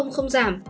nếu f không giảm